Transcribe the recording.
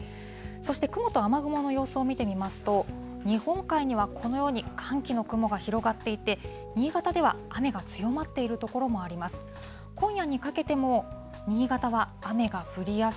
そして雲と雨雲の様子を見てみますと、日本海にはこのように寒気の雲が広がっていて、新潟では雨が強まっている所もあります。